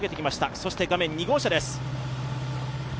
そして画面、２号車です。